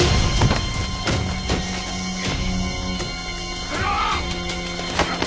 やめろ！